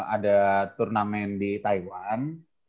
ada turnamen di taiwan